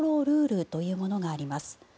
ルールというものがあります。